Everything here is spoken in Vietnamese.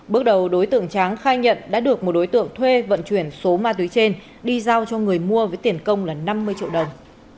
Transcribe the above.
bước đầu đối tượng tráng khai nhận đã được một đối tượng thuê vận chuyển số ma túy trên đi giao cho người mua với tiền công là năm mươi triệu đồng